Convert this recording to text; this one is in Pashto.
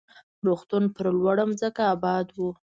روغتون پر لوړه ځمکه اباد و.